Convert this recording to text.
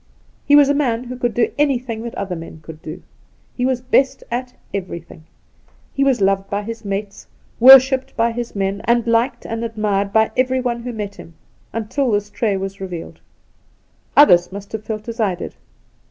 ' He was a man who could do anything that other men could do. He was best at everything. He was loved by his mates, worshipped by his men, and liked and admired by everyone who met him — until this trait was revealed. Others must have felt as I did.